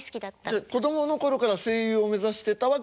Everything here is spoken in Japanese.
じゃ子供の頃から声優を目指してたわけでは。